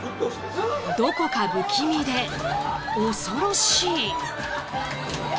どこか不気味で恐ろしい。